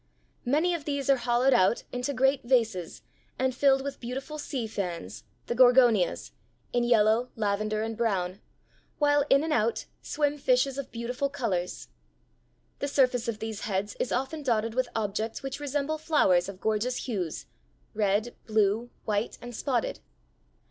Many of these are hollowed out into great vases and filled with beautiful sea fans, the Gorgonias, in yellow, lavender, and brown, while in and out swim fishes of beautiful colors. The surface of these heads is often dotted with objects which resemble flowers of gorgeous hues, red, blue, white, and spotted.